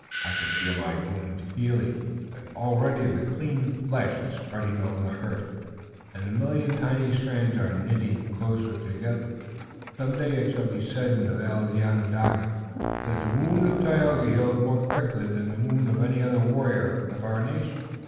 "I can feel my wound healing," he said. "Already the clean flesh is spreading over the hurt and the million tiny strands are knitting closely together. Some day it shall be said in the Vale of Onondaga that the wound of Tayoga healed more quickly than the wound of any other warrior of our nation."